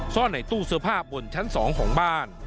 ซ่อนในตู้เสื้อผ้าบนชั้น๒ของบ้าน